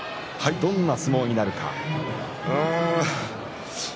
どんな相撲になるでしょうか？